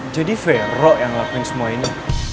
jadi vero yang ngelakuin semua ini